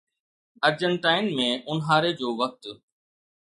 ارجنٽائن ۾ اونهاري جو وقت